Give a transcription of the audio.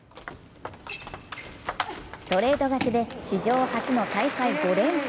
ストレート勝ちで史上初の大会５連覇。